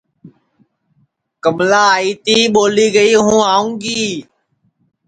کملا آئی تی ٻو لی گی ہؤں گی